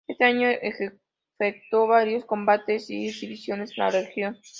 Ese año efectuó varios combates y exhibiciones en la región.